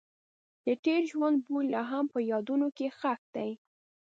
د تېر ژوند بوی لا هم په یادونو کې ښخ دی.